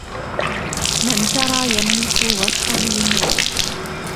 من ترى يملك وصفا لامريء